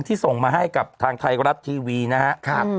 ส่งมาให้กับทางไทยรัฐทีวีนะครับ